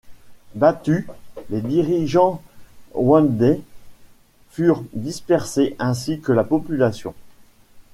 Battus, les dirigeants Ndwandwe furent dispersés ainsi que la population.